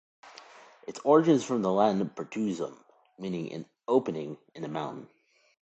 Its origin is from the Latin "pertusum" meaning an "opening" in the mountain.